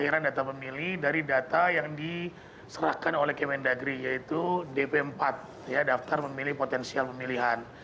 pemuktasan data pemilih dari data yang diserahkan oleh kmn dageri yaitu dp empat daftar memilih potensial pemilihan